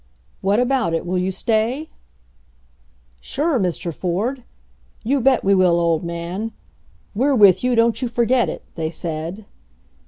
What about it, will you stay ?" "Sure, Mr. Ford." "You bet we will, old man!" "We're with you; don't you forget it!" they said.